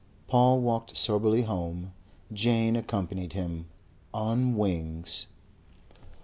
Paul walked soberly home. Jane accompanied him on wings.